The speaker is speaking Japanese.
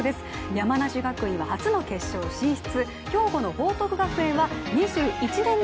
山梨学院は初の決勝進出。